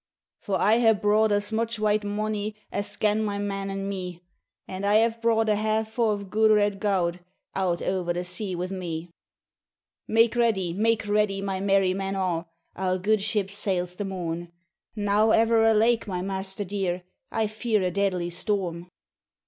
'For I hae brought as much white monie As gane my men and me And I hae brought a half fou' o' gude red gowd Out o'er the sea wi' me. RAINBOW GOLD ' Make ready, make ready, my merry men a '! Our gude ship sails the morn.' 'Now ever alake, my master dear, I fear a deadly storm